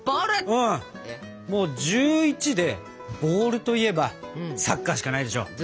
もう１１でボールといえばサッカーしかないでしょ？